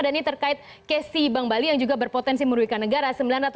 dan ini terkait kesi bank bali yang juga berpotensi merujikan negara